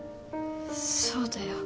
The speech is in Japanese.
そうだよ。